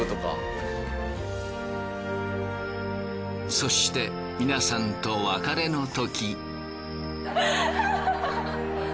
そして皆さんと別れのとき。